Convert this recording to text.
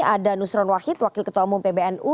ada nusron wahid wakil ketua umum pbnu